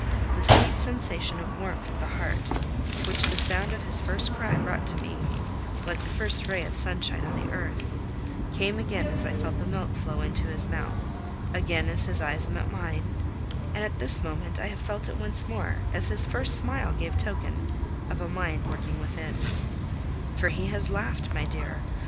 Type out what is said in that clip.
The sweet sensation of warmth at the heart, which the sound of his first cry brought to me like the first ray of sunshine on the earth came again as I felt the milk flow into his mouth, again as his eyes met mine, and at this moment I have felt it once more as his first smile gave token of a mind working within for he has laughed, my dear!